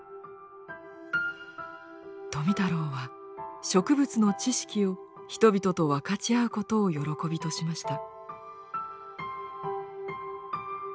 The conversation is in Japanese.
富太郎は植物の知識を人々と分かち合うことを喜びとしました。